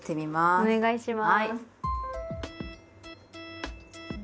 お願いします。